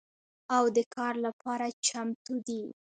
او د کار لپاره چمتو دي